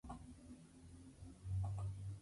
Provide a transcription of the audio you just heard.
Llegó a la Argentina siendo niña.